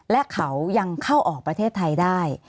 และเขายังเข้าออกประเทศไทยได้